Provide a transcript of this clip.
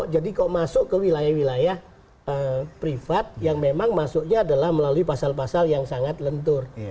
jadi kok masuk ke wilayah wilayah privat yang memang masuknya adalah melalui pasal pasal yang sangat lentur